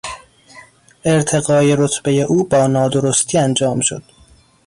ارتقای رتبهی او با نادرستی انجام شد.